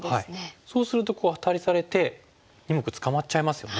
そうするとアタリされて２目捕まっちゃいますよね。